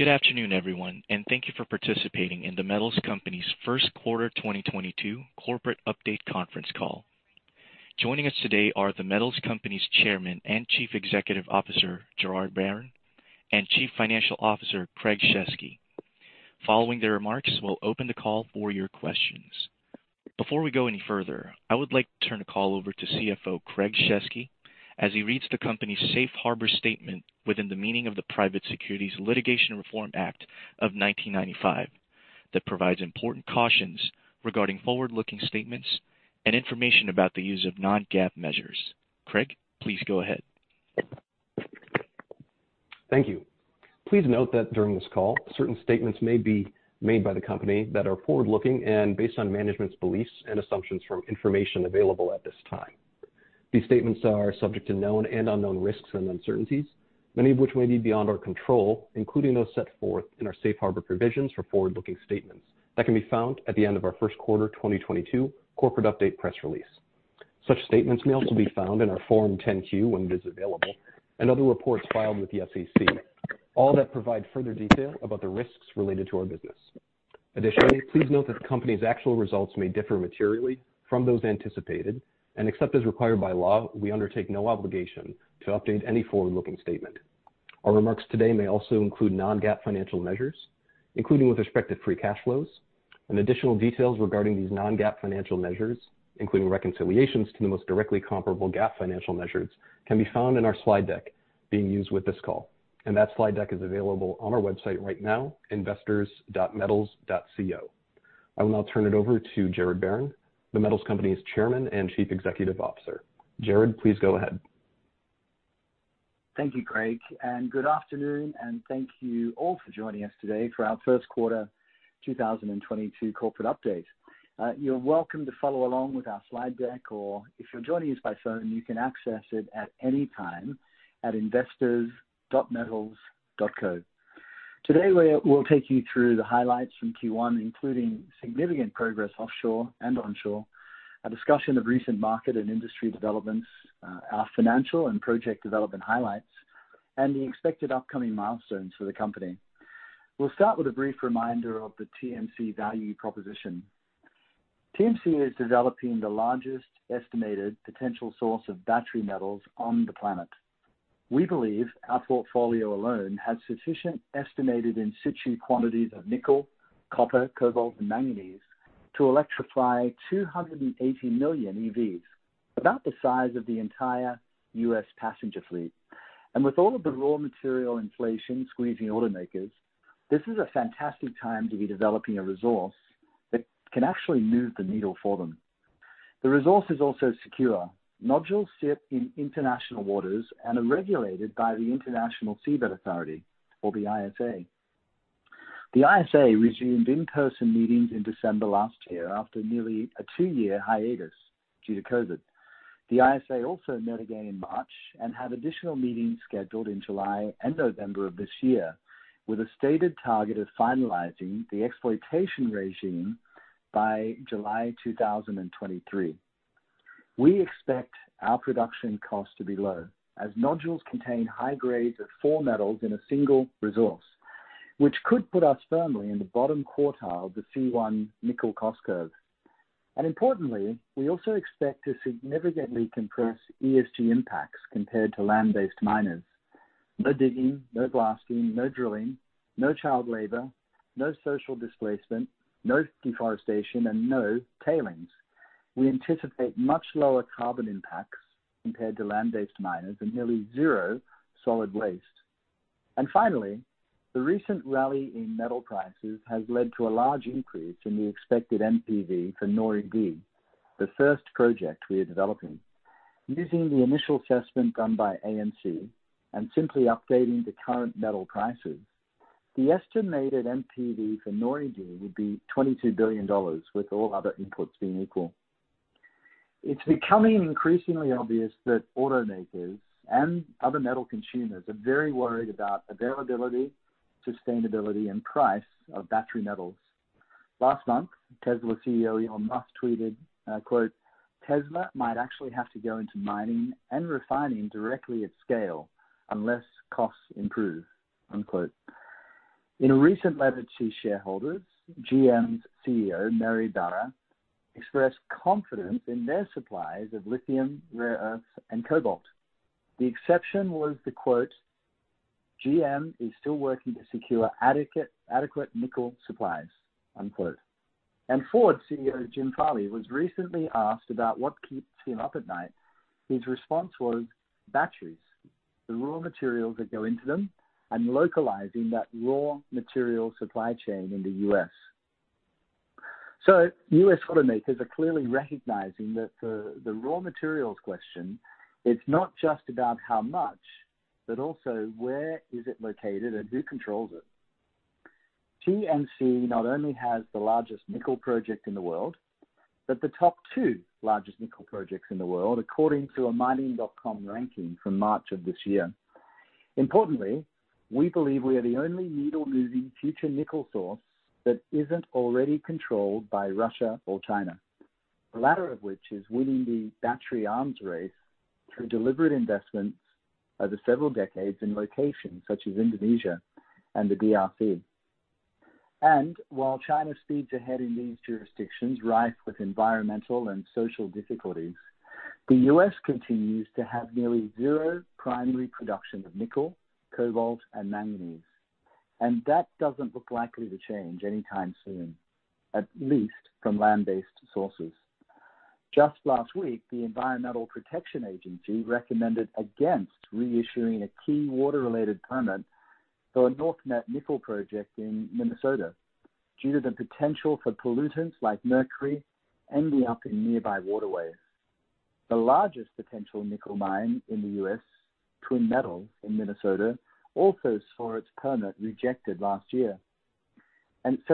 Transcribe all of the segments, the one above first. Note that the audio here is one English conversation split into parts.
Good afternoon, everyone, and thank you for participating in The Metals Company's first quarter 2022 corporate update conference call. Joining us today are The Metals Company's Chairman and Chief Executive Officer, Gerard Barron, and Chief Financial Officer, Craig Shesky. Following their remarks, we'll open the call for your questions. Before we go any further, I would like to turn the call over to CFO Craig Shesky as he reads the company's safe harbor statement within the meaning of the Private Securities Litigation Reform Act of 1995 that provides important cautions regarding forward-looking statements and information about the use of non-GAAP measures. Craig, please go ahead. Thank you. Please note that during this call, certain statements may be made by the company that are forward-looking and based on management's beliefs and assumptions from information available at this time. These statements are subject to known and unknown risks and uncertainties, many of which may be beyond our control, including those set forth in our safe harbor provisions for forward-looking statements that can be found at the end of our first quarter 2022 corporate update press release. Such statements may also be found in our Form 10-Q when it is available, and other reports filed with the SEC. All that provide further detail about the risks related to our business. Additionally, please note that the company's actual results may differ materially from those anticipated, and except as required by law, we undertake no obligation to update any forward-looking statement. Our remarks today may also include non-GAAP financial measures, including with respect to free cash flows, and additional details regarding these non-GAAP financial measures, including reconciliations to the most directly comparable GAAP financial measures can be found in our slide deck being used with this call. That slide deck is available on our website right now, investors.metals.co. I will now turn it over to Gerard Barron, The Metals Company's Chairman and Chief Executive Officer. Gerard, please go ahead. Thank you, Craig, and good afternoon, and thank you all for joining us today for our Q1 2022 corporate update. You're welcome to follow along with our slide deck, or if you're joining us by phone, you can access it at any time at investors.metals.co. Today, we'll take you through the highlights from Q1, including significant progress offshore and onshore, a discussion of recent market and industry developments, our financial and project development highlights, and the expected upcoming milestones for the company. We'll start with a brief reminder of the TMC value proposition. TMC is developing the largest estimated potential source of battery metals on the planet. We believe our portfolio alone has sufficient estimated in situ quantities of nickel, copper, cobalt, and manganese to electrify 280 million EVs, about the size of the entire U.S. passenger fleet. With all of the raw material inflation squeezing automakers, this is a fantastic time to be developing a resource that can actually move the needle for them. The resource is also secure. Nodules sit in international waters and are regulated by the International Seabed Authority or the ISA. The ISA resumed in-person meetings in December last year after nearly a two-year hiatus due to COVID. The ISA also met again in March and have additional meetings scheduled in July and November of this year, with a stated target of finalizing the exploitation regime by July 2023. We expect our production costs to be low as nodules contain high grades of four metals in a single resource, which could put us firmly in the bottom quartile of the C1 nickel cost curve. Importantly, we also expect to significantly compress ESG impacts compared to land-based miners. No digging, no blasting, no drilling, no child labor, no social displacement, no deforestation, and no tailings. We anticipate much lower carbon impacts compared to land-based miners and nearly zero solid waste. Finally, the recent rally in metal prices has led to a large increase in the expected NPV for NORI-D, the first project we are developing. Using the initial assessment done by AMC and simply updating the current metal prices, the estimated NPV for NORI-D would be $22 billion with all other inputs being equal. It's becoming increasingly obvious that automakers and other metal consumers are very worried about availability, sustainability, and price of battery metals. Last month, Tesla CEO Elon Musk tweeted, quote, "Tesla might actually have to go into mining and refining directly at scale unless costs improve." Unquote. In a recent letter to shareholders, GM's CEO, Mary Barra, expressed confidence in their supplies of lithium, rare earths, and cobalt. The exception was the quote, "GM is still working to secure adequate nickel supplies." Unquote. Ford CEO Jim Farley was recently asked about what keeps him up at night. His response was, "Batteries, the raw materials that go into them, and localizing that raw material supply chain in the U.S." U.S. automakers are clearly recognizing that the raw materials question is not just about how much, but also where is it located and who controls it. TMC not only has the largest nickel project in the world, but the top two largest nickel projects in the world, according to a MINING.COM ranking from March of this year. Importantly, we believe we are the only needle-moving future nickel source that isn't already controlled by Russia or China. The latter of which is winning the battery arms race through deliberate investments over several decades in locations such as Indonesia and the DRC. While China speeds ahead in these jurisdictions rife with environmental and social difficulties, the U.S. continues to have nearly zero primary production of nickel, cobalt, and manganese. That doesn't look likely to change anytime soon, at least from land-based sources. Just last week, the Environmental Protection Agency recommended against reissuing a key water-related permit for a NorthMet nickel project in Minnesota due to the potential for pollutants like mercury ending up in nearby waterways. The largest potential nickel mine in the U.S., Twin Metals in Minnesota, also saw its permit rejected last year.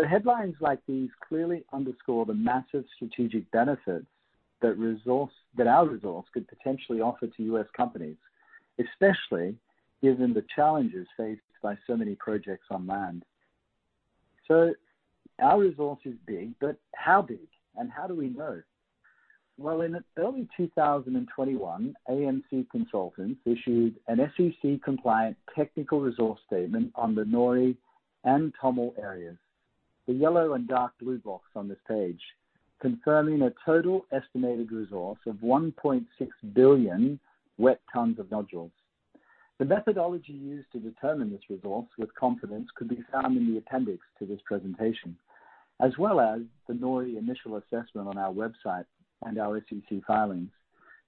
Headlines like these clearly underscore the massive strategic benefits that our resource could potentially offer to U.S. companies, especially given the challenges faced by so many projects on land. Our resource is big, but how big? And how do we know? In early 2021, AMC Consultants issued an SEC-compliant technical resource statement on the NORI and TOML areas, the yellow and dark blue box on this page, confirming a total estimated resource of 1.6 billion wet tons of nodules. The methodology used to determine this resource with confidence could be found in the appendix to this presentation, as well as the NORI initial assessment on our website and our SEC filings.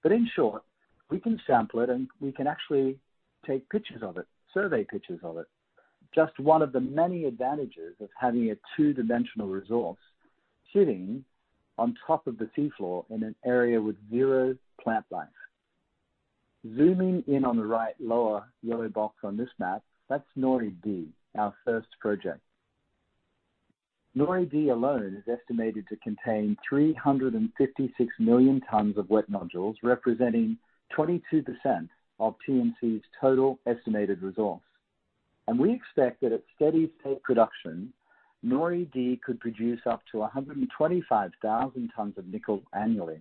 In short, we can sample it, and we can actually take pictures of it, survey pictures of it. Just one of the many advantages of having a two-dimensional resource sitting on top of the seafloor in an area with zero plant life. Zooming in on the right lower yellow box on this map, that's NORI-D, our first project. NORI-D alone is estimated to contain 356 million tons of wet nodules, representing 22% of TMC's total estimated resource. We expect that at steady state production, NORI-D could produce up to 125,000 tons of nickel annually,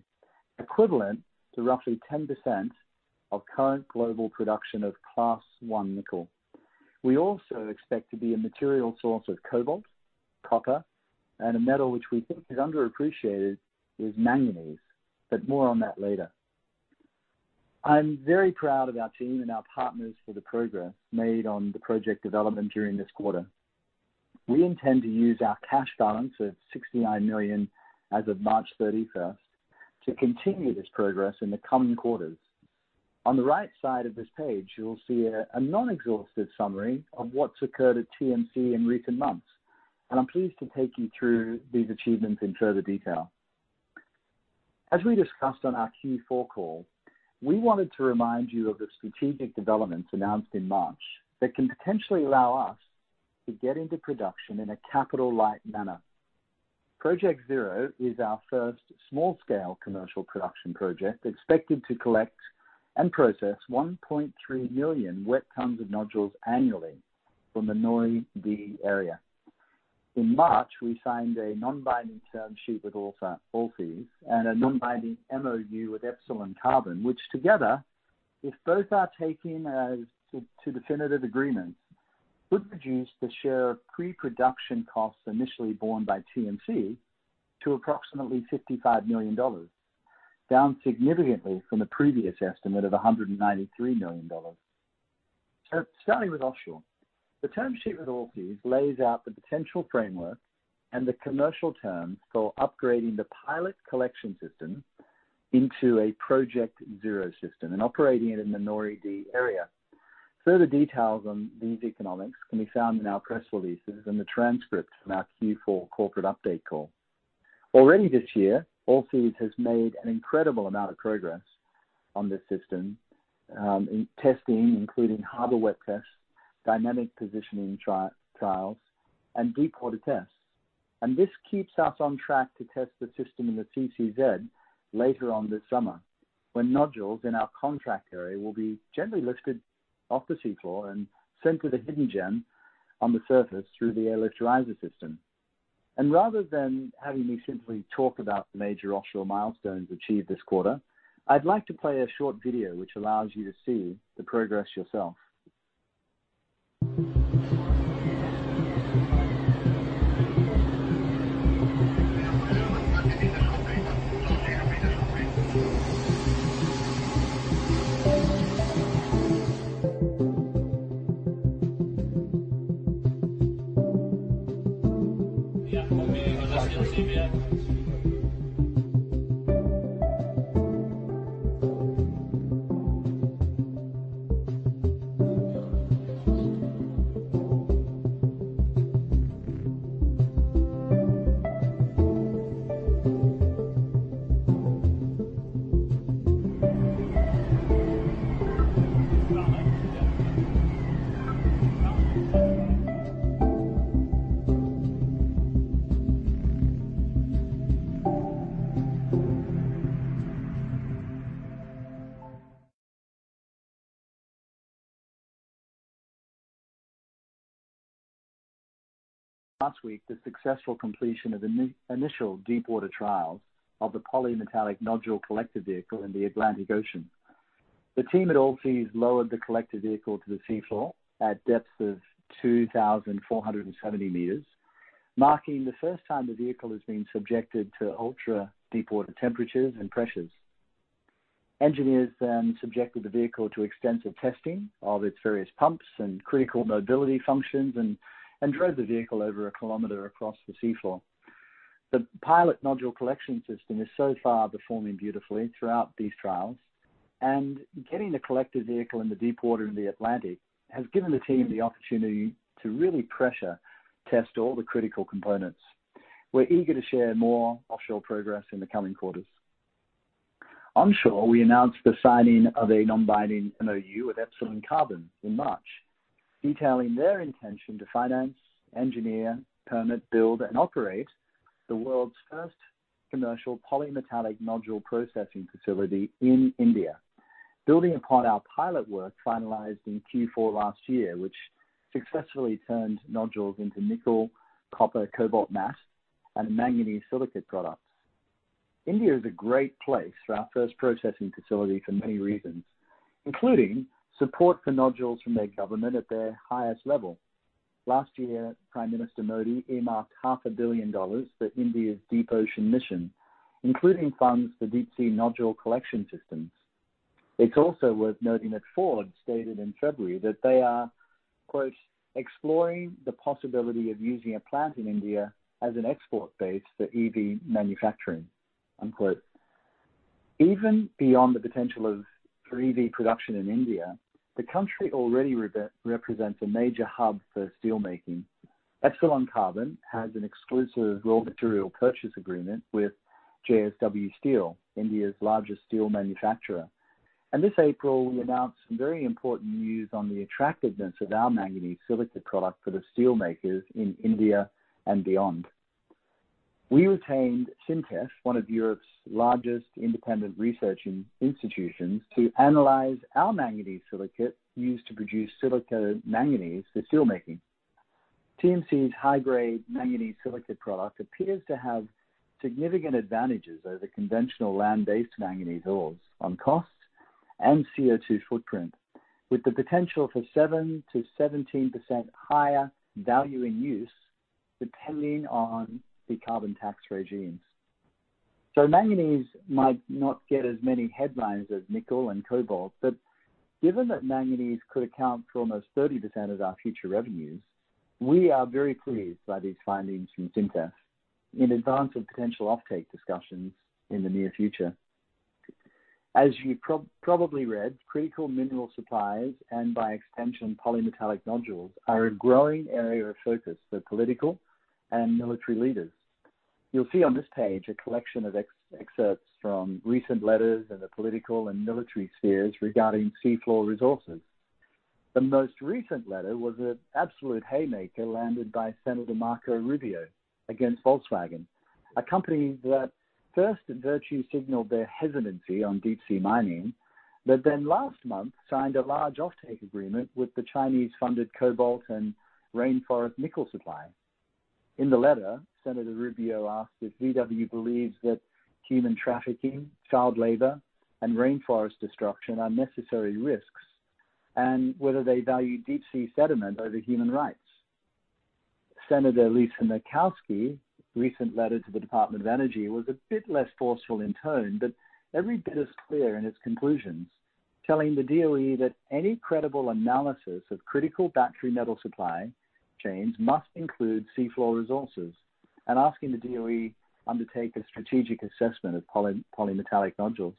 equivalent to roughly 10% of current global production of Class 1 nickel. We also expect to be a material source of cobalt, copper, and a metal which we think is underappreciated is manganese, but more on that later. I'm very proud of our team and our partners for the progress made on the project development during this quarter. We intend to use our cash balance of $69 million as of March 31st to continue this progress in the coming quarters. On the right side of this page, you'll see a non-exhaustive summary of what's occurred at TMC in recent months. I'm pleased to take you through these achievements in further detail. As we discussed on our Q4 call, we wanted to remind you of the strategic developments announced in March that can potentially allow us to get into production in a capital-light manner. Project Zero is our first small-scale commercial production project, expected to collect and process 1.3 million wet tons of nodules annually from the NORI-D area. In March, we signed a non-binding term sheet with Allseas and a non-binding MOU with Epsilon Carbon, which together, if both are taken to definitive agreements, would reduce the share of pre-production costs initially borne by TMC to approximately $55 million, down significantly from the previous estimate of $193 million. Starting with offshore. The term sheet with Allseas lays out the potential framework and the commercial terms for upgrading the pilot collection system into a Project Zero system and operating it in the NORI-D area. Further details on these economics can be found in our press releases and the transcript from our Q4 corporate update call. Already this year, Allseas has made an incredible amount of progress on this system, in testing, including harbor wet tests, dynamic positioning trials, and deep water tests. This keeps us on track to test the system in the CCZ later on this summer, when nodules in our contract area will be gently lifted off the seafloor and sent to the Hidden Gem on the surface through the [electrolyzer] system. Rather than having me simply talk about the major offshore milestones achieved this quarter, I'd like to play a short video which allows you to see the progress yourself. Last week, the successful completion of initial deep water trials of the polymetallic nodule collector vehicle in the Atlantic Ocean. The team at Allseas lowered the collector vehicle to the seafloor at depths of 2,470 m, marking the first time the vehicle has been subjected to ultra deep water temperatures and pressures. Engineers subjected the vehicle to extensive testing of its various pumps and critical mobility functions and drove the vehicle over a kilometer across the seafloor. The pilot nodule collection system is so far performing beautifully throughout these trials, and getting the collector vehicle in the deep water in the Atlantic has given the team the opportunity to really pressure test all the critical components. We're eager to share more offshore progress in the coming quarters. Onshore, we announced the signing of a non-binding MOU with Epsilon Carbon in March, detailing their intention to finance, engineer, permit, build, and operate the world's first commercial polymetallic nodule processing facility in India. Building upon our pilot work finalized in Q4 last year, which successfully turned nodules into nickel, copper, cobalt matte, and manganese silicate products. India is a great place for our first processing facility for many reasons, including support for nodules from their government at their highest level. Last year, Prime Minister Modi earmarked half a billion dollars for India's deep ocean mission, including funds for deep sea nodule collection systems. It's also worth noting that Ford stated in February that they are, quote, "Exploring the possibility of using a plant in India as an export base for EV manufacturing." Unquote. Even beyond the potential for EV production in India, the country already represents a major hub for steel making. Epsilon Carbon has an exclusive raw material purchase agreement with JSW Steel, India's largest steel manufacturer. This April, we announced some very important news on the attractiveness of our manganese silicate product for the steel makers in India and beyond. We retained SINTEF, one of Europe's largest independent research institutions, to analyze our manganese silicate used to produce silicomanganese for steelmaking. TMC's high-grade manganese silicate product appears to have significant advantages over the conventional land-based manganese ores on cost and CO2 footprint, with the potential for 7%-17% higher value in use, depending on the carbon tax regimes. Manganese might not get as many headlines as nickel and cobalt, but given that manganese could account for almost 30% of our future revenues, we are very pleased by these findings from SINTEF in advance of potential offtake discussions in the near future. As you probably read, critical mineral supplies, and by extension polymetallic nodules, are a growing area of focus for political and military leaders. You'll see on this page a collection of excerpts from recent letters in the political and military spheres regarding seafloor resources. The most recent letter was an absolute haymaker landed by Senator Marco Rubio against Volkswagen, a company that first virtue signaled their hesitancy on deep-sea mining, but then last month signed a large offtake agreement with the Chinese-funded cobalt and rainforest nickel supply. In the letter, Senator Rubio asked if VW believes that human trafficking, child labor, and rainforest destruction are necessary risks, and whether they value deep sea sediment over human rights. Senator Lisa Murkowski's recent letter to the Department of Energy was a bit less forceful in tone, but every bit as clear in its conclusions, telling the DOE that any credible analysis of critical battery metal supply chains must include seafloor resources, and asking the DOE to undertake a strategic assessment of polymetallic nodules.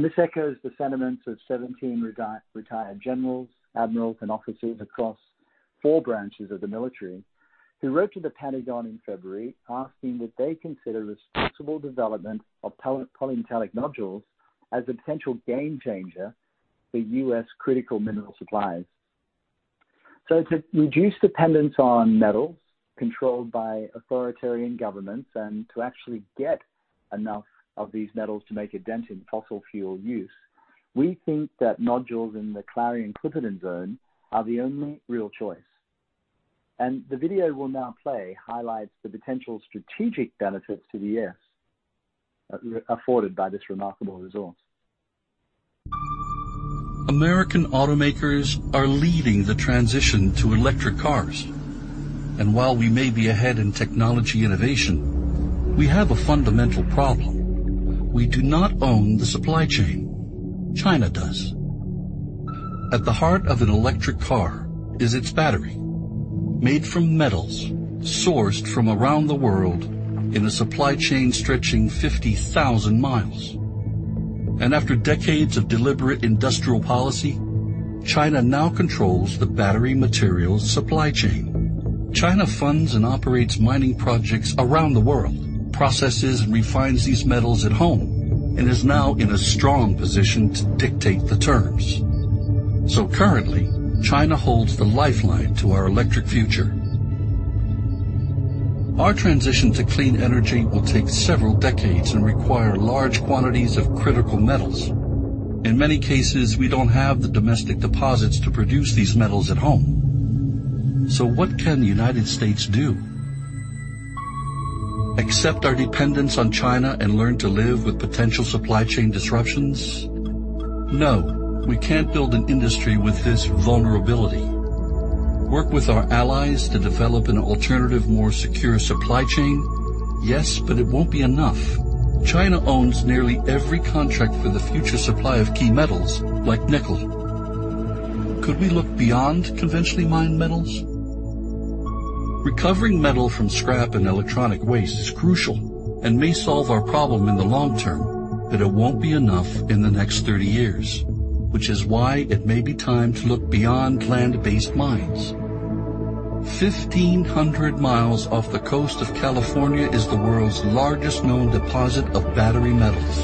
This echoes the sentiments of 17 retired generals, admirals, and officers across four branches of the military who wrote to the Pentagon in February asking that they consider responsible development of polymetallic nodules as a potential game changer for U.S. critical mineral supplies. To reduce dependence on metals controlled by authoritarian governments and to actually get enough of these metals to make a dent in fossil fuel use, we think that nodules in the Clarion-Clipperton Zone are the only real choice. The video we'll now play highlights the potential strategic benefits to the U.S. afforded by this remarkable resource. American automakers are leading the transition to electric cars. While we may be ahead in technology innovation, we have a fundamental problem. We do not own the supply chain, China does. At the heart of an electric car is its battery, made from metals sourced from around the world in a supply chain stretching 50,000 mi. After decades of deliberate industrial policy, China now controls the battery materials supply chain. China funds and operates mining projects around the world, processes and refines these metals at home, and is now in a strong position to dictate the terms. Currently, China holds the lifeline to our electric future. Our transition to clean energy will take several decades and require large quantities of critical metals. In many cases, we don't have the domestic deposits to produce these metals at home. What can the United States do? Accept our dependence on China and learn to live with potential supply chain disruptions? No, we can't build an industry with this vulnerability. Work with our allies to develop an alternative, more secure supply chain? Yes, but it won't be enough. China owns nearly every contract for the future supply of key metals, like nickel. Could we look beyond conventionally mined metals? Recovering metal from scrap and electronic waste is crucial and may solve our problem in the long term, but it won't be enough in the next 30 years. Which is why it may be time to look beyond land-based mines. 1,500 mi off the coast of California is the world's largest known deposit of battery metals,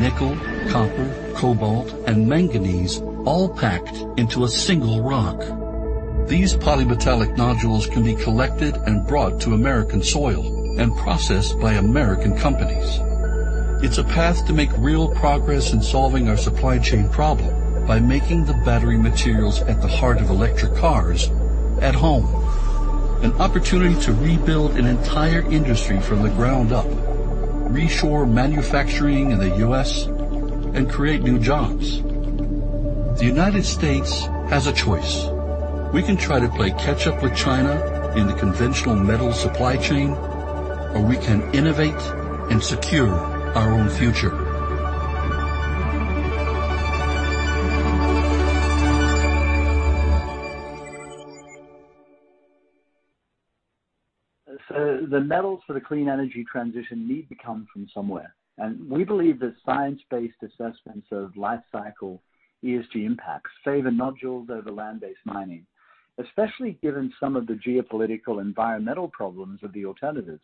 nickel, copper, cobalt, and manganese, all packed into a single rock. These polymetallic nodules can be collected and brought to American soil and processed by American companies. It's a path to make real progress in solving our supply chain problem by making the battery materials at the heart of electric cars at home. An opportunity to rebuild an entire industry from the ground up, reshore manufacturing in the U.S., and create new jobs. The United States has a choice. We can try to play catch up with China in the conventional metal supply chain, or we can innovate and secure our own future. The metals for the clean energy transition need to come from somewhere, and we believe that science-based assessments of life cycle ESG impacts favor nodules over land-based mining, especially given some of the geopolitical environmental problems of the alternatives.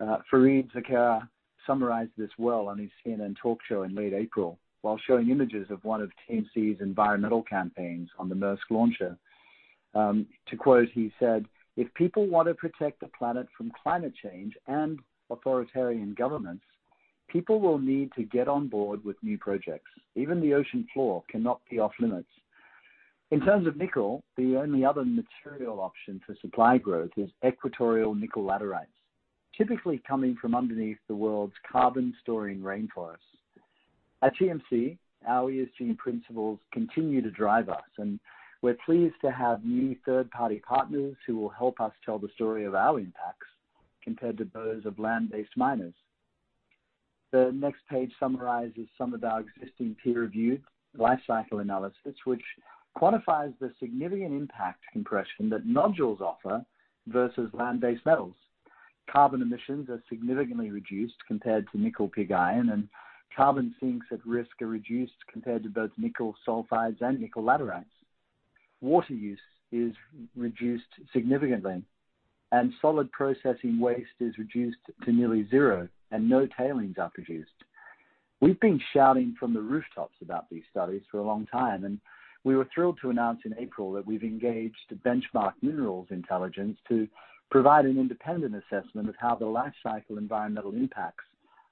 Fareed Zakaria summarized this well on his CNN talk show in late April while showing images of one of TMC's environmental campaigns on the Maersk Launcher. To quote, he said, "If people want to protect the planet from climate change and authoritarian governments, people will need to get on board with new projects. Even the ocean floor cannot be off-limits." In terms of nickel, the only other material option for supply growth is equatorial nickel laterites, typically coming from underneath the world's carbon-storing rainforest. At TMC, our ESG principles continue to drive us, and we're pleased to have new third-party partners who will help us tell the story of our impacts compared to those of land-based miners. The next page summarizes some of our existing peer review life cycle analysis, which quantifies the significant impact compression that nodules offer versus land-based metals. Carbon emissions are significantly reduced compared to nickel pig iron, and carbon sinks at risk are reduced compared to both nickel sulfides and nickel laterites. Water use is reduced significantly, and solid processing waste is reduced to nearly zero, and no tailings are produced. We've been shouting from the rooftops about these studies for a long time, and we were thrilled to announce in April that we've engaged Benchmark Mineral Intelligence to provide an independent assessment of how the life cycle environmental impacts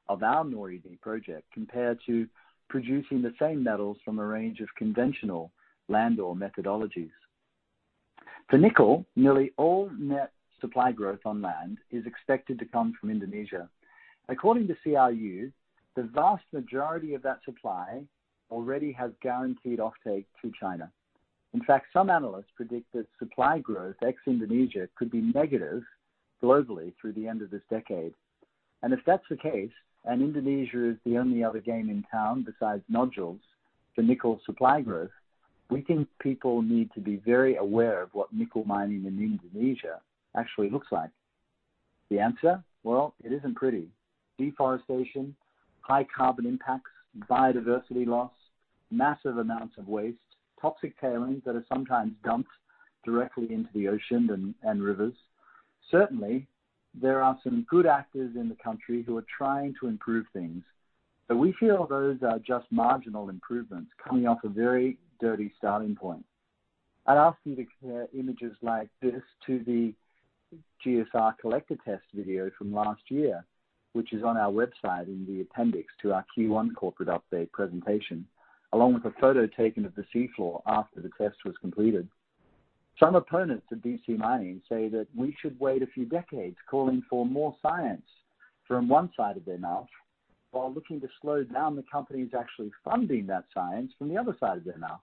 of our NORI-D project compare to producing the same metals from a range of conventional land-based methodologies. For nickel, nearly all net supply growth on land is expected to come from Indonesia. According to CRU, the vast majority of that supply already has guaranteed offtake to China. In fact, some analysts predict that supply growth ex Indonesia could be negative globally through the end of this decade. If that's the case, and Indonesia is the only other game in town besides nodules for nickel supply growth, we think people need to be very aware of what nickel mining in Indonesia actually looks like. The answer? Well, it isn't pretty. Deforestation, high carbon impacts, biodiversity loss, massive amounts of waste, toxic tailings that are sometimes dumped directly into the ocean and rivers. Certainly, there are some good actors in the country who are trying to improve things, but we feel those are just marginal improvements coming off a very dirty starting point. I'd ask you to compare images like this to the GSR collector test video from last year, which is on our website in the appendix to our Q1 corporate update presentation, along with a photo taken of the seafloor after the test was completed. Some opponents of deep sea mining say that we should wait a few decades, calling for more science from one side of their mouth while looking to slow down the companies actually funding that science from the other side of their mouth.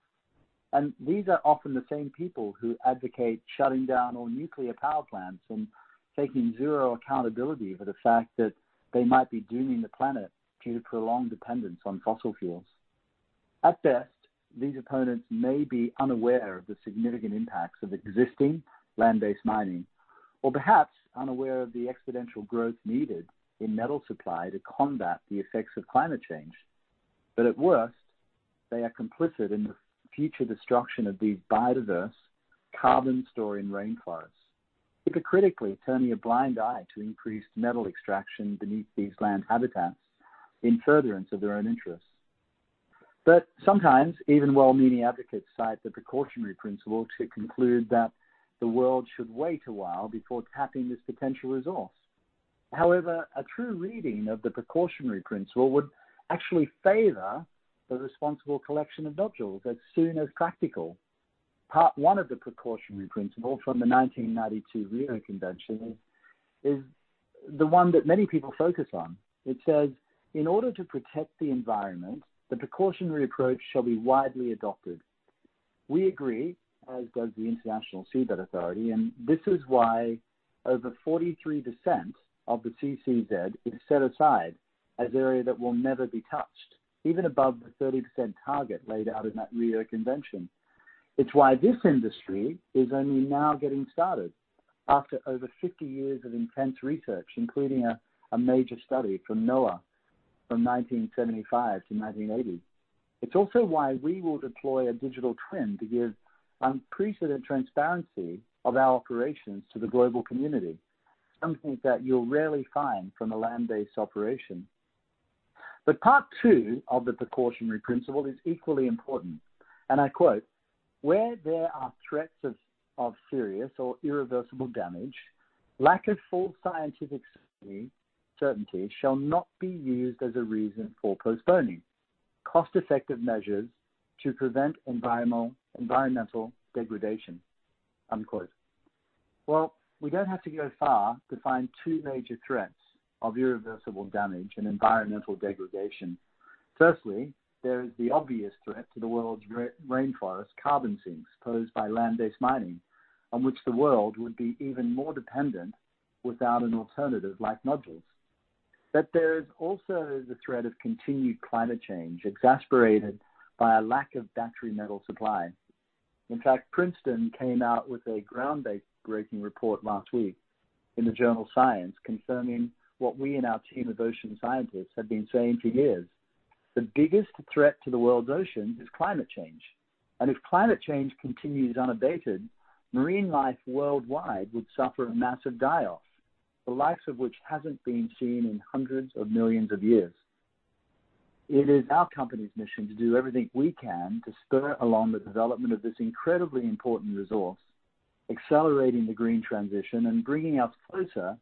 These are often the same people who advocate shutting down all nuclear power plants and taking zero accountability for the fact that they might be dooming the planet due to prolonged dependence on fossil fuels. At best, these opponents may be unaware of the significant impacts of existing land-based mining, or perhaps unaware of the exponential growth needed in metal supply to combat the effects of climate change. At worst, they are complicit in the future destruction of these biodiverse carbon-storing rainforests, hypocritically turning a blind eye to increased metal extraction beneath these land habitats in furtherance of their own interests. Sometimes even well-meaning advocates cite the precautionary principle to conclude that the world should wait a while before tapping this potential resource. However, a true reading of the precautionary principle would actually favor the responsible collection of nodules as soon as practical. Part one of the precautionary principle from the 1992 Rio Convention is the one that many people focus on. It says, "In order to protect the environment, the precautionary approach shall be widely adopted." We agree, as does the International Seabed Authority, and this is why over 43% of the CCZ is set aside as area that will never be touched, even above the 30% target laid out in that Rio Convention. It's why this industry is only now getting started after over 50 years of intense research, including a major study from NOAA from 1975 to 1980. It's also why we will deploy a digital twin to give unprecedented transparency of our operations to the global community, something that you'll rarely find from a land-based operation. Part two of the precautionary principle is equally important, and I quote, "Where there are threats of serious or irreversible damage, lack of full scientific certainty shall not be used as a reason for postponing cost-effective measures to prevent environmental degradation." Unquote. Well, we don't have to go far to find two major threats of irreversible damage and environmental degradation. Firstly, there is the obvious threat to the world's rainforest carbon sinks posed by land-based mining, on which the world would be even more dependent without an alternative like nodules. There is also the threat of continued climate change, exacerbated by a lack of battery metal supply. In fact, Princeton came out with a groundbreaking report last week in the journal Science, confirming what we and our team of ocean scientists have been saying for years. The biggest threat to the world's oceans is climate change. If climate change continues unabated, marine life worldwide would suffer a massive die-off, the likes of which hasn't been seen in hundreds of millions of years. It is our company's mission to do everything we can to spur along the development of this incredibly important resource, accelerating the green transition and bringing us closer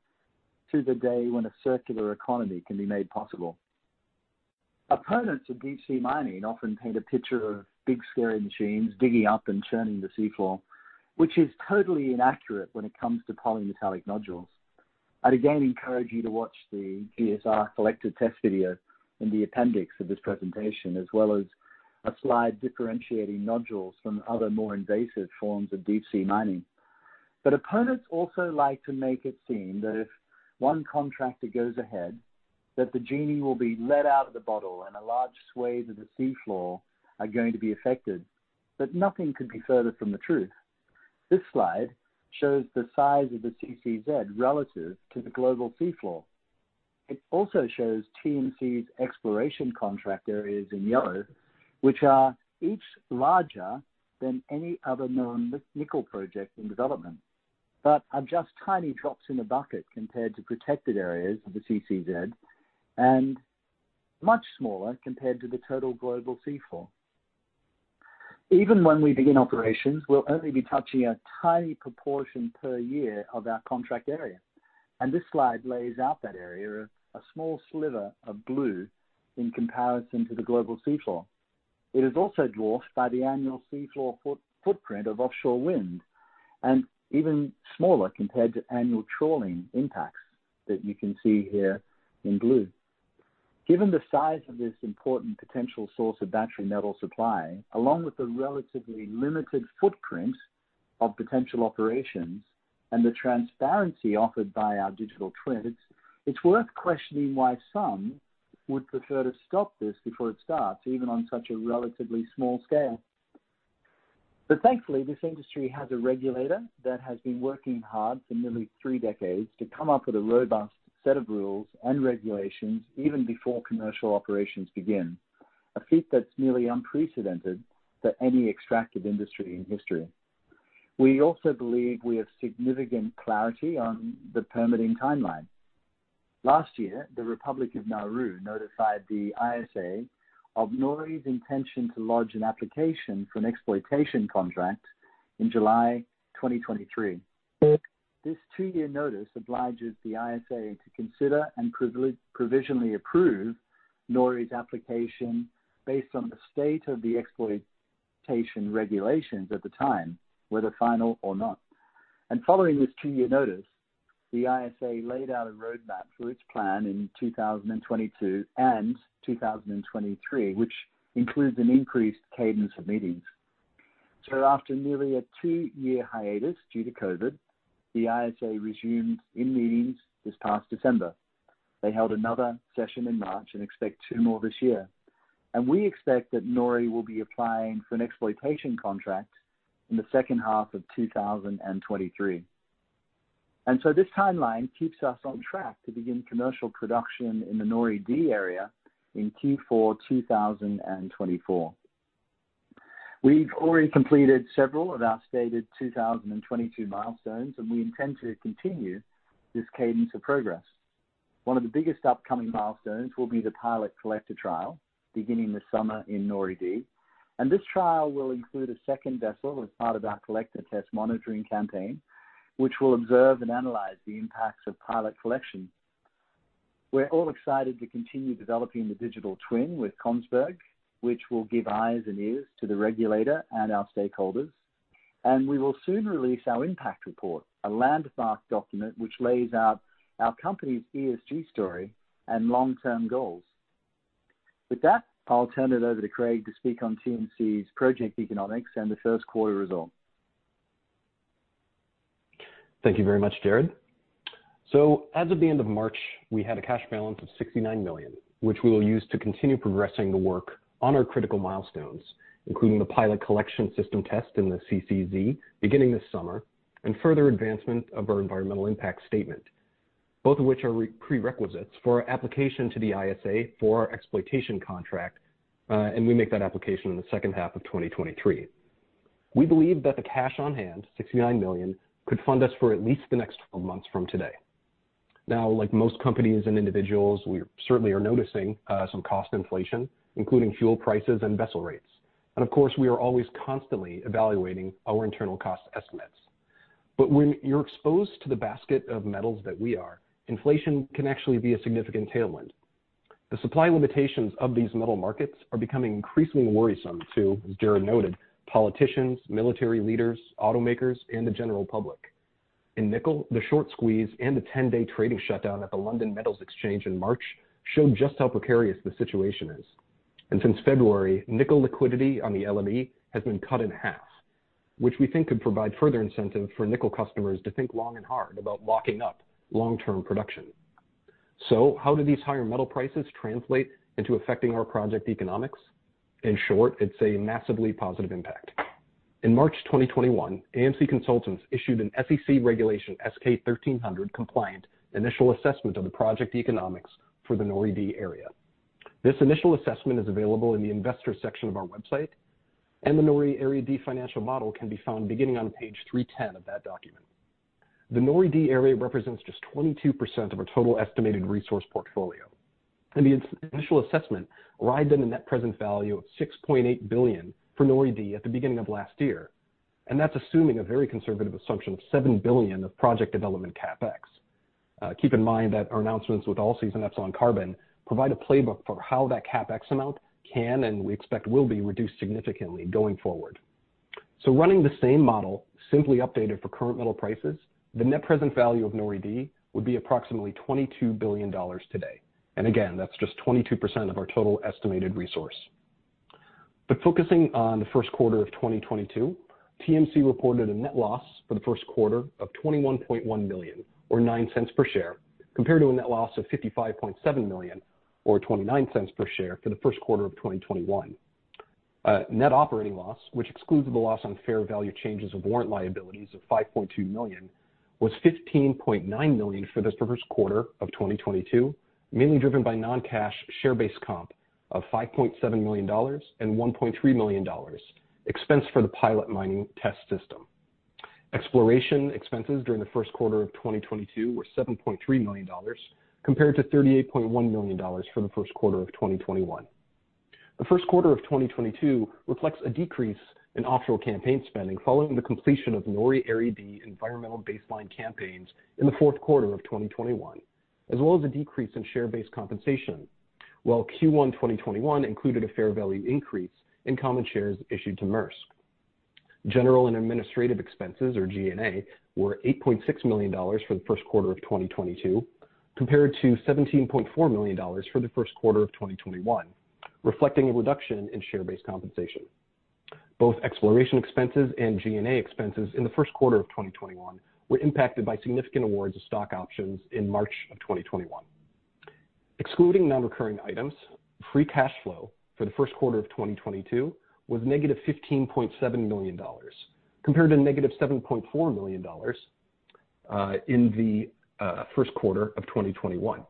to the day when a circular economy can be made possible. Opponents of deep-sea mining often paint a picture of big scary machines digging up and churning the seafloor, which is totally inaccurate when it comes to polymetallic nodules. I'd again encourage you to watch the GSR collector test video in the appendix of this presentation, as well as a slide differentiating nodules from other, more invasive forms of deep-sea mining. Opponents also like to make it seem that if one contractor goes ahead, that the genie will be let out of the bottle and a large swathe of the seafloor are going to be affected. Nothing could be further from the truth. This slide shows the size of the CCZ relative to the global seafloor. It also shows TMC's exploration contract areas in yellow, which are each larger than any other known nickel project in development, but are just tiny drops in a bucket compared to protected areas of the CCZ and much smaller compared to the total global seafloor. Even when we begin operations, we'll only be touching a tiny proportion per year of our contract area. This slide lays out that area, a small sliver of blue in comparison to the global seafloor. It is also dwarfed by the annual seafloor footprint of offshore wind and even smaller compared to annual trawling impacts that you can see here in blue. Given the size of this important potential source of battery metal supply, along with the relatively limited footprint of potential operations and the transparency offered by our digital twins, it's worth questioning why some would prefer to stop this before it starts, even on such a relatively small scale. Thankfully, this industry has a regulator that has been working hard for nearly three decades to come up with a robust set of rules and regulations even before commercial operations begin. A feat that's nearly unprecedented for any extractive industry in history. We also believe we have significant clarity on the permitting timeline. Last year, the Republic of Nauru notified the ISA of NORI's intention to lodge an application for an exploitation contract in July 2023. This two-year notice obliges the ISA to consider and provisionally approve NORI's application based on the state of the exploitation regulations at the time, whether final or not. Following this two-year notice, the ISA laid out a roadmap for its plan in 2022 and 2023, which includes an increased cadence of meetings. After nearly a two-year hiatus due to COVID, the ISA resumed its meetings this past December. They held another session in March and expect two more this year. We expect that NORI will be applying for an exploitation contract in the second half of 2023. This timeline keeps us on track to begin commercial production in the NORI-D area in Q4 2024. We've already completed several of our stated 2022 milestones, and we intend to continue this cadence of progress. One of the biggest upcoming milestones will be the pilot collector trial beginning this summer in NORI-D. This trial will include a second vessel as part of our collector test monitoring campaign, which will observe and analyze the impacts of pilot collection. We're all excited to continue developing the digital twin with Kongsberg, which will give eyes and ears to the regulator and our stakeholders. We will soon release our impact report, a landmark document which lays out our company's ESG story and long-term goals. With that, I'll turn it over to Craig to speak on TMC's project economics and the first quarter results. Thank you very much, Gerard. As of the end of March, we had a cash balance of $69 million, which we will use to continue progressing the work on our critical milestones, including the pilot collection system test in the CCZ beginning this summer, and further advancement of our environmental impact statement, both of which are prerequisites for our application to the ISA for our exploitation contract, and we make that application in the second half of 2023. We believe that the cash on hand, $69 million, could fund us for at least the next 12 months from today. Now, like most companies and individuals, we certainly are noticing some cost inflation, including fuel prices and vessel rates. Of course, we are always constantly evaluating our internal cost estimates. When you're exposed to the basket of metals that we are, inflation can actually be a significant tailwind. The supply limitations of these metal markets are becoming increasingly worrisome to, as Gerard noted, politicians, military leaders, automakers, and the general public. In nickel, the short squeeze and the 10-day trading shutdown at the London Metal Exchange in March showed just how precarious the situation is. Since February, nickel liquidity on the LME has been cut in half, which we think could provide further incentive for nickel customers to think long and hard about locking up long-term production. How do these higher metal prices translate into affecting our project economics? In short, it's a massively positive impact. In March 2021, AMC Consultants issued an SEC Regulation S-K 1300 compliant initial assessment of the project economics for the NORI-D area. This initial assessment is available in the investor section of our website, and the NORI Area D financial model can be found beginning on page 310 of that document. The NORI-D area represents just 22% of our total estimated resource portfolio. The initial assessment arrived in a net present value of $6.8 billion for NORI-D at the beginning of last year. That's assuming a very conservative assumption of $7 billion of project development CapEx. Keep in mind that our announcements with Allseas and Epsilon Carbon provide a playbook for how that CapEx amount can, and we expect will be, reduced significantly going forward. Running the same model, simply updated for current metal prices, the net present value of NORI-D would be approximately $22 billion today. Again, that's just 22% of our total estimated resource. Focusing on the first quarter of 2022, TMC reported a net loss for the first quarter of $21.1 million, or $0.09 per share, compared to a net loss of $55.7 million, or $0.29 per share for the first quarter of 2021. Net operating loss, which excludes the loss on fair value changes of warrant liabilities of $5.2 million, was $15.9 million for the first quarter of 2022, mainly driven by non-cash share-based comp of $5.7 million and $1.3 million expense for the pilot mining test system. Exploration expenses during the first quarter of 2022 were $7.3 million, compared to $38.1 million for the first quarter of 2021. The first quarter of 2022 reflects a decrease in offshore campaign spending following the completion of NORI Area D environmental baseline campaigns in the fourth quarter of 2021, as well as a decrease in share-based compensation, while Q1 2021 included a fair value increase in common shares issued to Maersk. General and administrative expenses, or G&A, were $8.6 million for the first quarter of 2022, compared to $17.4 million for the first quarter of 2021, reflecting a reduction in share-based compensation. Both exploration expenses and G&A expenses in the first quarter of 2021 were impacted by significant awards of stock options in March of 2021. Excluding non-recurring items, free cash flow for the first quarter of 2022 was -$15.7 million, compared to -$7.4 million in the first quarter of 2021.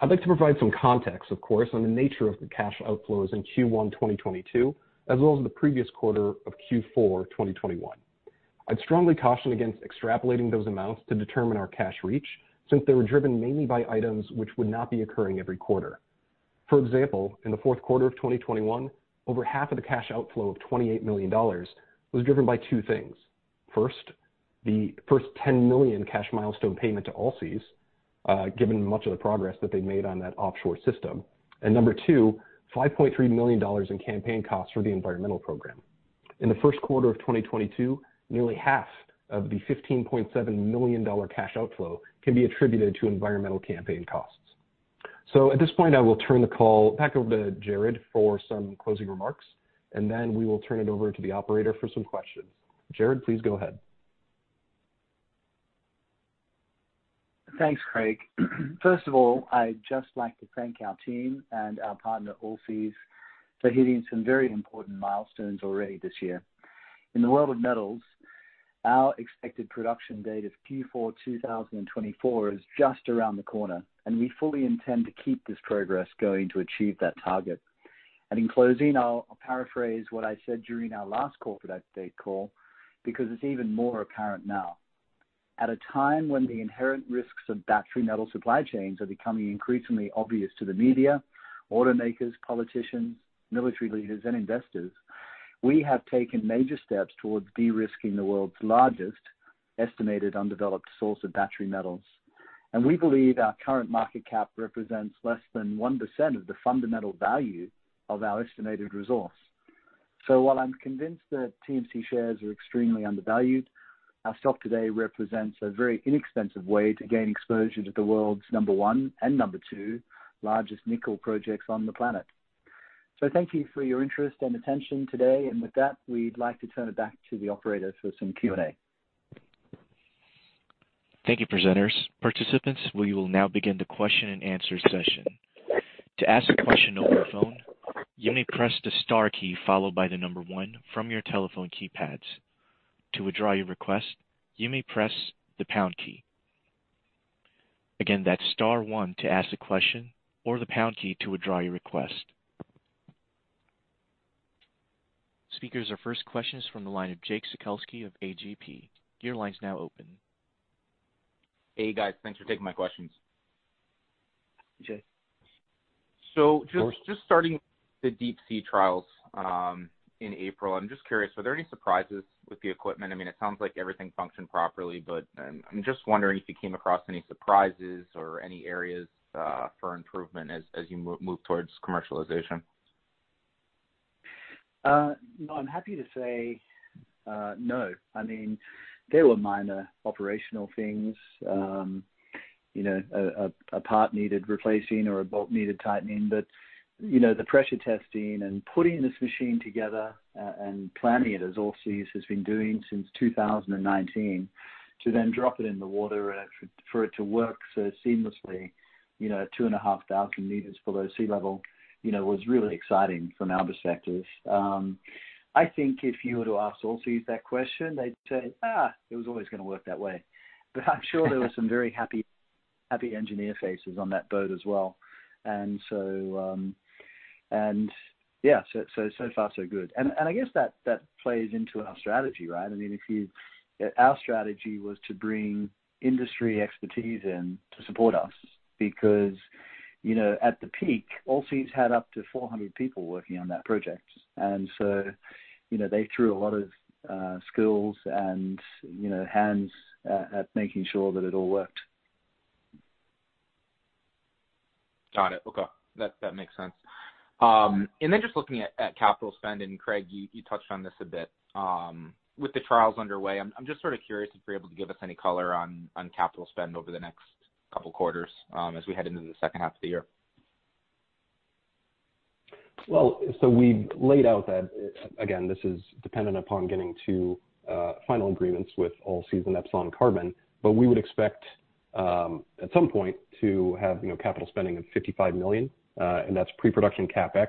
I'd like to provide some context, of course, on the nature of the cash outflows in Q1 2022, as well as the previous quarter of Q4 2021. I'd strongly caution against extrapolating those amounts to determine our cash reach, since they were driven mainly by items which would not be occurring every quarter. For example, in the fourth quarter of 2021, over half of the cash outflow of $28 million was driven by two things. First, the first $10 million cash milestone payment to Allseas, given much of the progress that they made on that offshore system. Number two, $5.3 million in campaign costs for the environmental program. In the first quarter of 2022, nearly half of the $15.7 million cash outflow can be attributed to environmental campaign costs. At this point, I will turn the call back over to Gerard for some closing remarks, and then we will turn it over to the operator for some questions. Gerard, please go ahead. Thanks, Craig. First of all, I'd just like to thank our team and our partner, Allseas, for hitting some very important milestones already this year. In the world of metals. Our expected production date of Q4 2024 is just around the corner, and we fully intend to keep this progress going to achieve that target. In closing, I'll paraphrase what I said during our last corporate update call because it's even more apparent now. At a time when the inherent risks of battery metal supply chains are becoming increasingly obvious to the media, automakers, politicians, military leaders, and investors, we have taken major steps towards de-risking the world's largest estimated undeveloped source of battery metals. We believe our current market cap represents less than 1% of the fundamental value of our estimated resource. While I'm convinced that TMC shares are extremely undervalued, our stock today represents a very inexpensive way to gain exposure to the world's number one and number two largest nickel projects on the planet. Thank you for your interest and attention today. With that, we'd like to turn it back to the operator for some Q&A. Thank you, presenters. Participants, we will now begin the question and answer session. To ask a question over the phone, you may press the star key followed by the number one from your telephone keypads. To withdraw your request, you may press the pound key. Again, that's star one to ask a question or the pound key to withdraw your request. Speakers, our first question is from the line of Jake Sekelsky of A.G.P. Your line's now open. Hey, guys. Thanks for taking my questions. Jake. Just starting the deep sea trials in April, I'm just curious, were there any surprises with the equipment? I mean, it sounds like everything functioned properly, but I'm just wondering if you came across any surprises or any areas for improvement as you move towards commercialization. No, I'm happy to say, no. I mean, there were minor operational things. You know, a part needed replacing or a bolt needed tightening. You know, the pressure testing and putting this machine together, and planning it as Allseas has been doing since 2019 to then drop it in the water and for it to work so seamlessly, you know, 2,500 m below sea level, you know, was really exciting from our perspective. I think if you were to ask Allseas that question, they'd say, "It was always gonna work that way." I'm sure there were some very happy engineer faces on that boat as well. Yeah, so far so good. I guess that plays into our strategy, right? I mean, our strategy was to bring industry expertise in to support us because, you know, at the peak, Allseas had up to 400 people working on that project. You know, they threw a lot of skills and, you know, hands at making sure that it all worked. Got it. Okay. That makes sense. Just looking at capital spend, and Craig, you touched on this a bit. With the trials underway, I'm just sort of curious if you're able to give us any color on capital spend over the next couple quarters, as we head into the second half of the year. We've laid out that, again, this is dependent upon getting to final agreements with Allseas and Epsilon Carbon. We would expect, at some point to have, you know, capital spending of $55 million. That's pre-production CapEx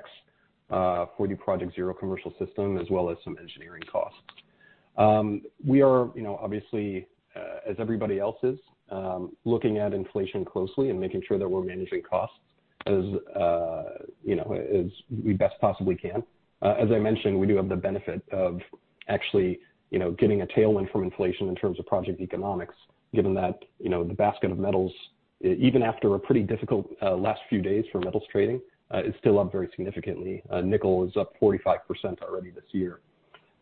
for new Project Zero commercial system as well as some engineering costs. We are, you know, obviously, as everybody else is, looking at inflation closely and making sure that we're managing costs as, you know, as we best possibly can. As I mentioned, we do have the benefit of actually, you know, getting a tailwind from inflation in terms of project economics, given that, you know, the basket of metals, even after a pretty difficult last few days for metals trading, is still up very significantly. Nickel is up 45% already this year.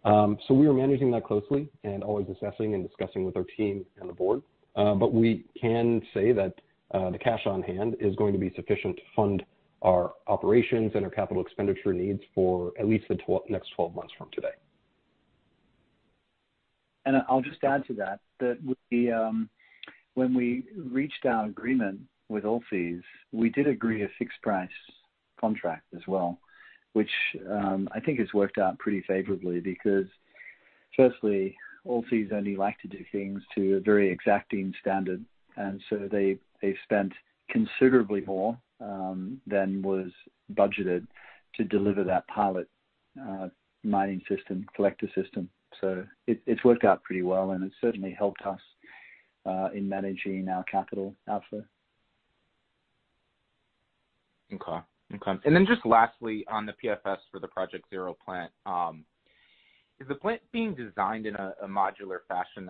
We are managing that closely and always assessing and discussing with our team and the board. We can say that the cash on hand is going to be sufficient to fund our operations and our capital expenditure needs for at least the next 12 months from today. I'll just add to that with the, When we reached our agreement with Allseas, we did agree a fixed price contract as well, which, I think has worked out pretty favorably because firstly, Allseas only like to do things to a very exacting standard. So they spent considerably more than was budgeted to deliver that pilot mining system, collector system. It's worked out pretty well, and it certainly helped us in managing our capital outflow. Okay. Just lastly, on the PFS for the Project Zero plant, is the plant being designed in a modular fashion?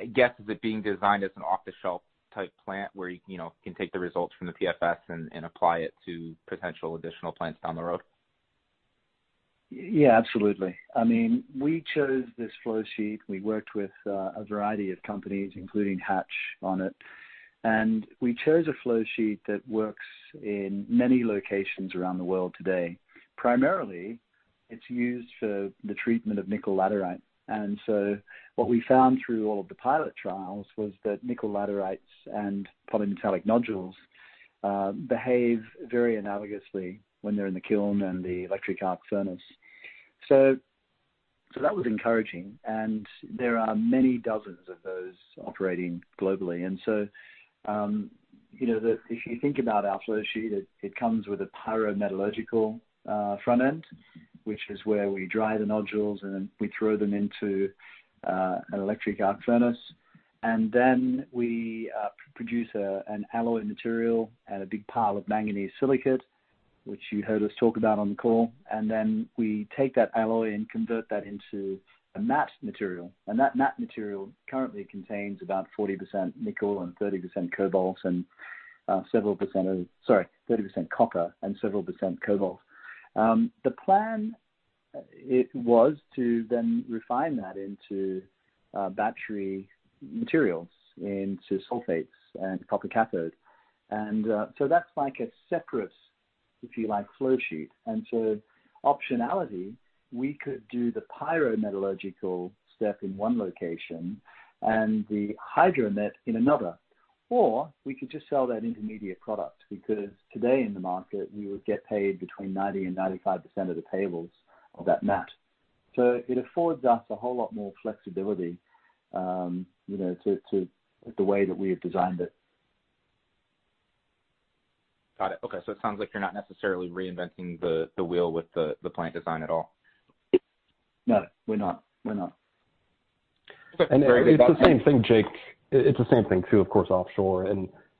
I guess, is it being designed as an off-the-shelf type plant where you know, can take the results from the PFS and apply it to potential additional plants down the road? Yeah, absolutely. I mean, we chose this flow sheet. We worked with a variety of companies, including Hatch on it. We chose a flow sheet that works in many locations around the world today. Primarily, it's used for the treatment of nickel laterite. What we found through all of the pilot trials was that nickel laterites and polymetallic nodules behave very analogously when they're in the kiln and the electric arc furnace. So that was encouraging. There are many dozens of those operating globally. You know that if you think about our flow sheet, it comes with a pyrometallurgical front end, which is where we dry the nodules and then we throw them into an electric arc furnace. We produce an alloy material and a big pile of manganese silicate, which you heard us talk about on the call. We take that alloy and convert that into a matte material. That matte material currently contains about 40% nickel and 30% copper and several percent cobalt. The plan was to then refine that into battery materials, into sulfates and copper cathode. That's like a separate, if you like, flow sheet. Optionality, we could do the pyrometallurgical step in one location and the hydromet in another. Or we could just sell that intermediate product because today in the market, we would get paid between 90% and 95% of the payables of that matte. It affords us a whole lot more flexibility, you know, to the way that we have designed it. Got it. Okay. It sounds like you're not necessarily reinventing the wheel with the plant design at all. No, we're not. Okay. Great. It's the same thing, Jake. It's the same thing too, of course, offshore.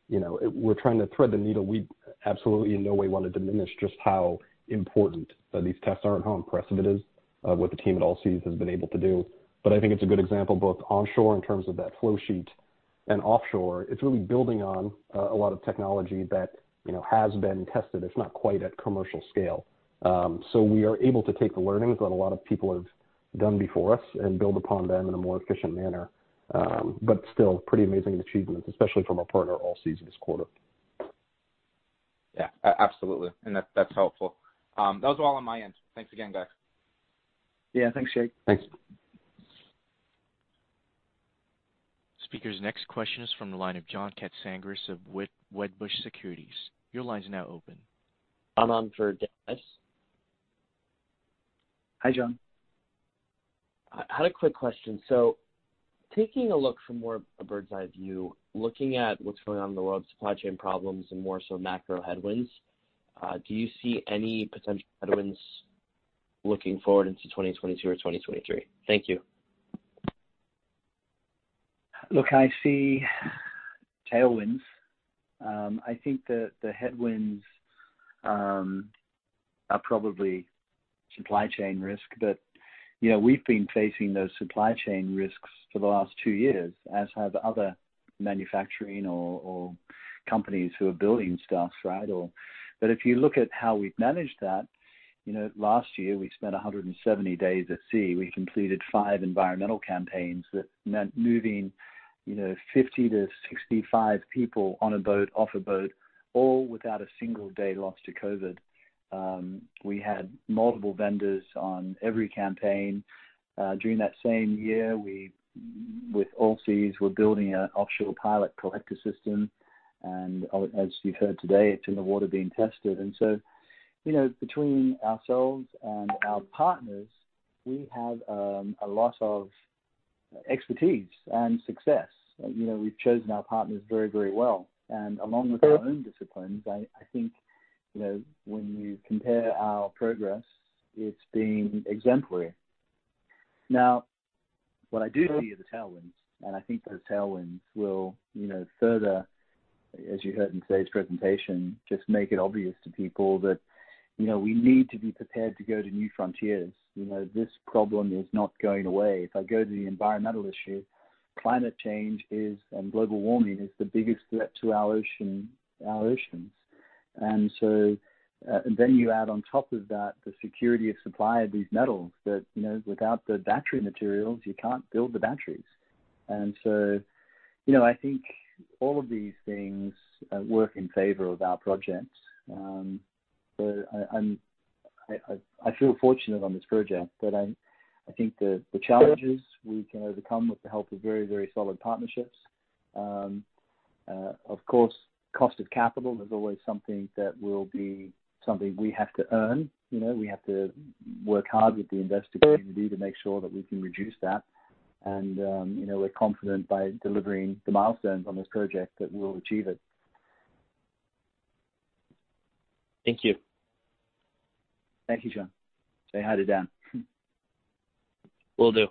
You know, we're trying to thread the needle. We absolutely in no way want to diminish just how important these tests are and how impressive it is of what the team at Allseas has been able to do. I think it's a good example, both onshore in terms of that flow sheet and offshore. It's really building on a lot of technology that you know has been tested, if not quite at commercial scale. We are able to take the learnings that a lot of people have done before us and build upon them in a more efficient manner. Still pretty amazing achievements, especially from our partner, Allseas, this quarter. Yeah. Absolutely. That, that's helpful. That was all on my end. Thanks again, guys. Yeah. Thanks, Jake. Thanks. Speaker, next question is from the line of John Katsingris of Wedbush Securities. Your line is now open. I'm on for Dan. Hi, John. I had a quick question. Taking a look from more a bird's-eye view, looking at what's going on in the world, supply chain problems and more so macro headwinds, do you see any potential headwinds looking forward into 2022 or 2023? Thank you. Look, I see tailwinds. I think the headwinds are probably supply chain risk. You know, we've been facing those supply chain risks for the last two years, as have other manufacturing or companies who are building stuff, right? If you look at how we've managed that, you know, last year, we spent 170 days at sea. We completed five environmental campaigns. That meant moving, you know, 50 people-65 people on a boat, off a boat, all without a single day lost to COVID. We had multiple vendors on every campaign. During that same year, with Allseas, we're building an offshore pilot collector system. As you've heard today, it's in the water being tested. You know, between ourselves and our partners, we have a lot of expertise and success. You know, we've chosen our partners very, very well. Along with our own disciplines, I think, you know, when you compare our progress, it's been exemplary. Now, what I do see are the tailwinds, and I think the tailwinds will, you know, further, as you heard in today's presentation, just make it obvious to people that, you know, we need to be prepared to go to new frontiers. You know, this problem is not going away. If I go to the environmental issue, climate change is, and global warming is the biggest threat to our ocean, our oceans. You add on top of that the security of supply of these metals that, you know, without the battery materials, you can't build the batteries. You know, I think all of these things work in favor of our projects. I feel fortunate on this project I think the challenges we can overcome with the help of very solid partnerships. Of course, cost of capital is always something that will be something we have to earn. You know, we have to work hard with the investor community to make sure that we can reduce that. You know, we're confident by delivering the milestones on this project that we'll achieve it. Thank you. Thank you, John. Say hi to Dan. Will do.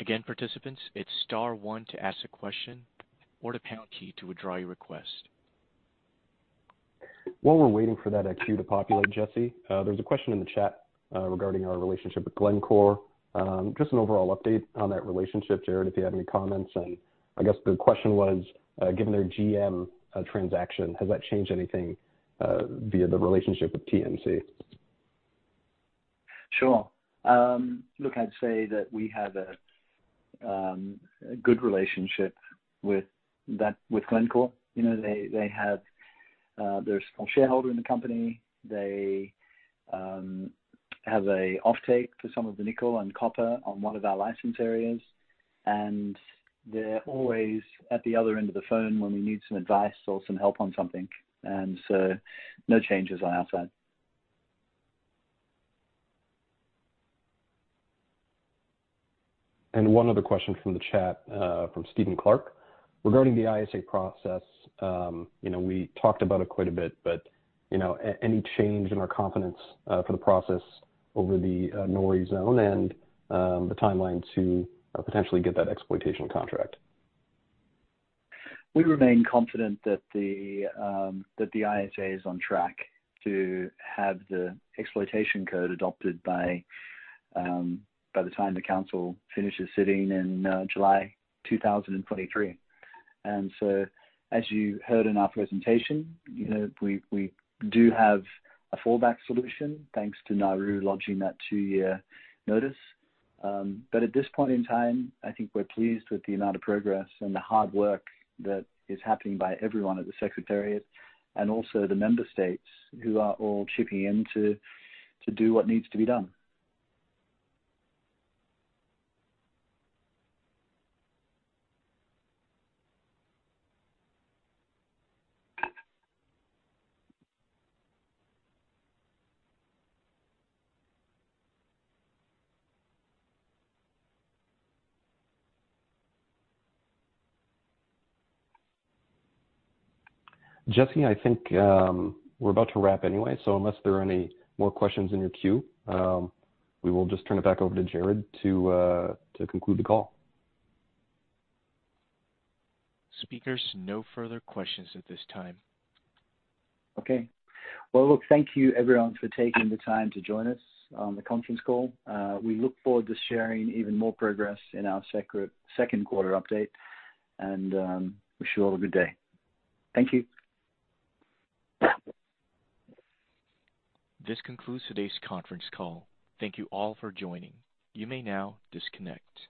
Again, participants, it's star one to ask a question or the pound key to withdraw your request. While we're waiting for that queue to populate, Jesse, there's a question in the chat regarding our relationship with Glencore. Just an overall update on that relationship, Gerard, if you have any comments. I guess the question was, given their GM transaction, has that changed anything via the relationship with TMC? Sure. Look, I'd say that we have a good relationship with that, with Glencore. You know, they're a small shareholder in the company. They have an offtake for some of the nickel and copper on one of our license areas. They're always at the other end of the phone when we need some advice or some help on something. No changes on our side. One other question from the chat, from Steven Clark. Regarding the ISA process, you know, we talked about it quite a bit, but, you know, any change in our confidence, for the process over the, NORI zone and, the timeline to, potentially get that exploitation contract? We remain confident that the ISA is on track to have the exploitation code adopted by the time the council finishes sitting in July 2023. As you heard in our presentation, you know, we do have a fallback solution thanks to Nauru lodging that two-year notice. But at this point in time, I think we're pleased with the amount of progress and the hard work that is happening by everyone at the Secretariat and also the member states who are all chipping in to do what needs to be done. Jesse, I think, we're about to wrap anyway, so unless there are any more questions in your queue, we will just turn it back over to Gerard to conclude the call. Speakers, no further questions at this time. Okay. Well, look, thank you everyone for taking the time to join us on the conference call. We look forward to sharing even more progress in our second quarter update and wish you all a good day. Thank you. This concludes today's conference call. Thank you all for joining. You may now disconnect.